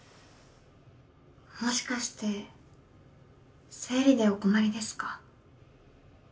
もしかして生理でお困りですか？